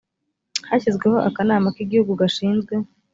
hashyizweho akanama k igihugu gashinzwe